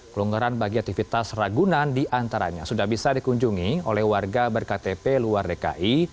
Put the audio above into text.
kelonggaran bagi aktivitas ragunan diantaranya sudah bisa dikunjungi oleh warga berktp luar dki